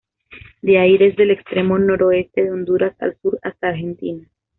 De ahí desde el extremo noroeste de Honduras al sur hasta Argentina.